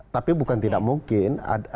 tapi bukan tidak mungkin